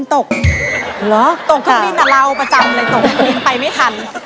ตกเครื่องบินน่ะเราประจำเลยตกเครื่องบินไปไม่ทัน